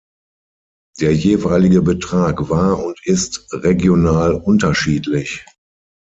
Der jeweilige Betrag war und ist regional unterschiedlich.